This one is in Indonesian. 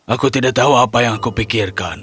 aku tidak tahu apa yang aku pikirkan